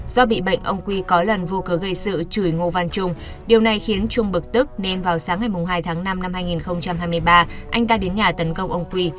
do bị bệnh ông quy có lần vô cớ gây sự chửi ngô văn trung điều này khiến trung bực tức nên vào sáng ngày hai tháng năm năm hai nghìn hai mươi ba anh ta đến nhà tấn công ông quy